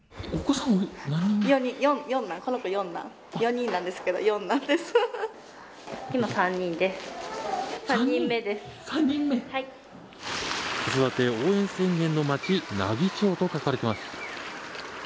子育て応援宣言の町奈義町と書かれています。